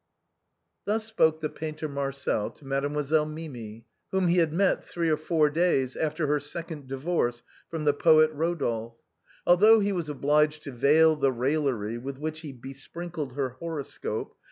Thus spoke the painter Marcel to Mademoiselle Mimi, whom he had met three or four days after her second di vorce from the poet Rodolphe. Although he was obliged to veil the raillery with which he besprinkled her horoscope.